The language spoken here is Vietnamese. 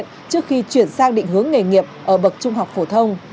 trước khi chuyển sang định hướng nghề nghiệp ở bậc trung học phổ thông